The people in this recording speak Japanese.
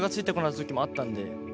時もあったんで。